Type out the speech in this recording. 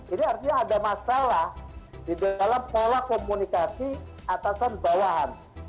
ini artinya ada masalah di dalam pola komunikasi atasan bawahan